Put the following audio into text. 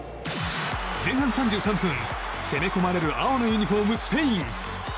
前半３３分、攻め込まれる青のユニホーム、スペイン。